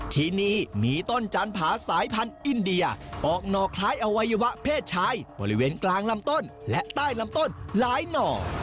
ที่นี่มีต้นจันผาสายพันธุ์อินเดียออกหน่อคล้ายอวัยวะเพศชายบริเวณกลางลำต้นและใต้ลำต้นหลายหน่อ